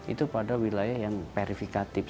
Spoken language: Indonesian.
itu pada wilayah yang verifikatif